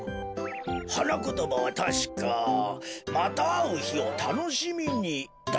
はなことばはたしか「またあうひをたのしみに」だったかのぉ。